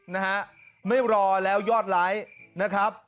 นะฮะไม่รอแล้วยอดไลค์นะครับ